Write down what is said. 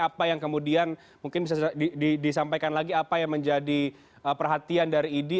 apa yang kemudian mungkin bisa disampaikan lagi apa yang menjadi perhatian dari idi